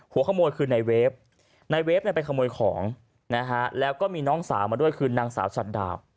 หัวขโมยคือในเวฟในเวฟไปขโมยของนะฮะแล้วก็มีน้องสาวมาด้วยคือนางสาวชันดา